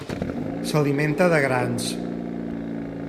S'alimenta de grans.